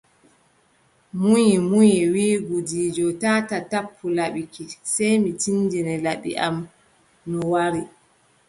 Munyi, munyi, wiʼi gudiijo : taataa tappu laɓi ki, sey mi tindine laɓi am no waari.